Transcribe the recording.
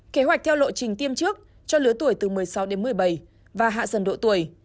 kế hoạch theo lộ trình tiêm trước cho lứa tuổi từ một mươi sáu đến một mươi bảy và hạ dần độ tuổi